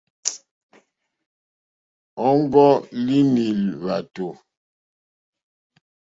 Ɔ́ŋɡɔ́línì lwàtò.